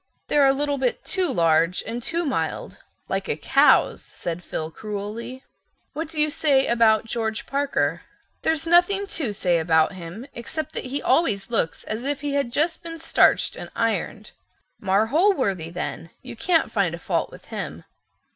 "They're a little bit too large and too mild—like a cow's," said Phil cruelly. "What do you say about George Parker?" "There's nothing to say about him except that he always looks as if he had just been starched and ironed." "Marr Holworthy then. You can't find a fault with him."